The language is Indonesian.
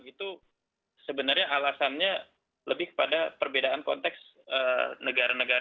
itu sebenarnya alasannya lebih kepada perbedaan konteks negara negara